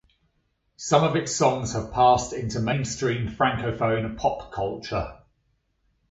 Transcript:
Some of its songs have passed into mainstream Francophone pop culture.